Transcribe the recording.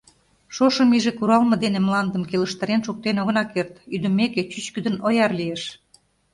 Шошым иже куралме дене мландым келыштарен шуктен огына керт, ӱдымеке, чӱчкыдын ояр лиеш.